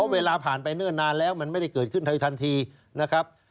เวลาผ่านไปเนิ่นนานแล้วมันไม่ได้เกิดขึ้นไทยทันทีนะครับ